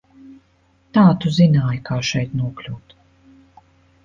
Tā tu zināji, kā šeit nokļūt?